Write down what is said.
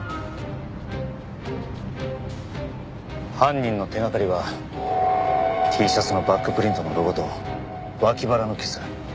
犯人の手掛かりはＴシャツのバックプリントのロゴと脇腹の傷。